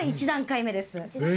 １段階目です。